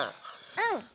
うん！